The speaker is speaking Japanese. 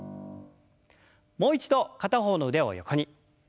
もう一度片方の腕を横に。